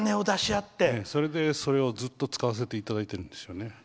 それでそれをずっと使わせていただいているんですよね。